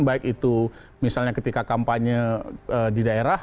baik itu misalnya ketika kampanye di daerah